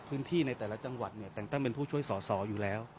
ในแต่ละจังหวัดเนี่ยแต่งตั้งเป็นผู้ช่วยสอสออยู่แล้ว